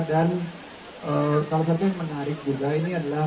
dan kalau saya pikir menarik juga ini adalah